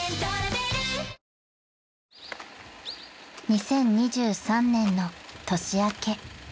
［２０２３年の年明け］